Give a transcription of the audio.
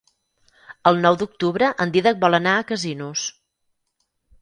El nou d'octubre en Dídac vol anar a Casinos.